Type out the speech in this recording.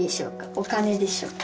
お金でしょうか？